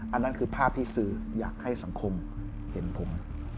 อันนั้นคือภาพที่สื่ออยากให้สังคมเห็นผม